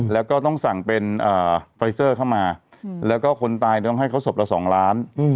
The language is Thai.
แล้วก็ต้องสั่งเป็นไฟเซอร์เข้ามาแล้วก็คนตายต้องให้เขาศพละ๒ล้าน